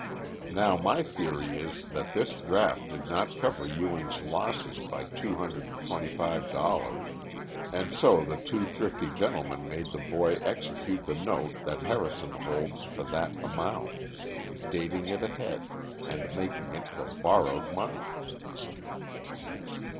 Now my theory is that this draft did not cover Ewing's losses by two hundred and twenty five dollars; and so the two thrifty gentlemen made the boy execute the note that Harrison holds for that amount, dating it ahead, and making it for borrowed money."